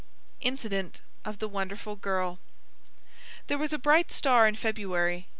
INCIDENT OF THE WONDERFUL GIRL There was a bright star in February.